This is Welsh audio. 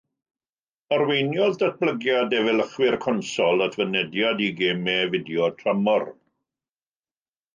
Arweiniodd datblygiad efelychwyr consol at fynediad i gemau fideo tramor.